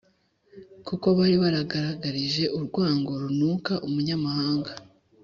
kuko bari baragaragarije urwango runuka umunyamahanga.